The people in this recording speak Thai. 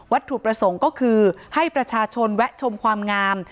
ถูกประสงค์ก็คือให้ประชาชนแวะชมความงาม